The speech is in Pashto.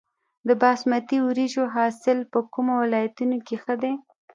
د باسمتي وریجو حاصل په کومو ولایتونو کې ښه دی؟